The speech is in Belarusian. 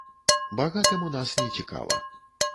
Багатым у нас нецікава.